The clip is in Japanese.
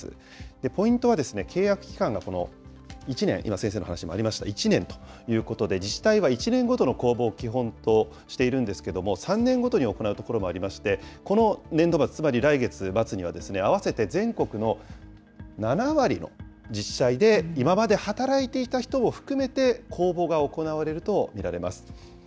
ポイントは契約期間が１年、今先生の話でもありました１年ということで、自治体は１年ごとの公募を基本としているんですけれども、３年ごとに行うところもありまして、この年度末、つまり来月末には合わせて全国の７割の自治体で、今まで働いていた人を含めて公募が行われると見られます。